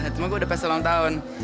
cuma gue udah pesta selama tahun